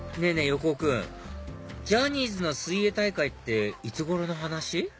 横尾君ジャニーズの水泳大会っていつ頃の話？